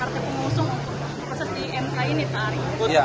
tapi kartu pengusung pasal di mk ini tarik